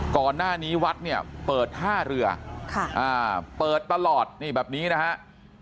ก่อนหน้านี้วัดเปิดท่าเรือเปิดตลอดแบบนี้นะครับ